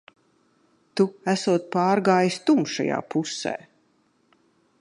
Tu esot pārgājis tumšajā pusē.